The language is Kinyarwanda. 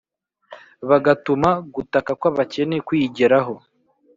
bagatuma gutaka kw’ abakene kuyigeraho